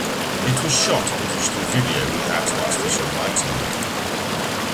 It was shot on digital video without artificial lighting.